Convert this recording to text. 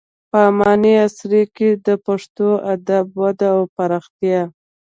په اماني عصر کې د پښتو ادب وده او پراختیا: